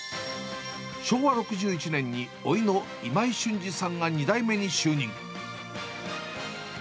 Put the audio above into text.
昭和６１年に、おいの今井しゅんじさんが２代目に就任。